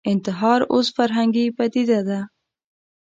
انتحار اوس فرهنګي پدیده ده